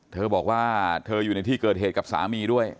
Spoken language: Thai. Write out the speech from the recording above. เธอบอกว่าเธออยู่ในที่เกิดเหตุกับสามีด้วย